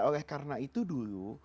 oleh karena itu dulu